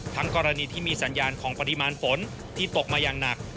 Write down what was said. กรณีที่มีสัญญาณของปริมาณฝนที่ตกมาอย่างหนัก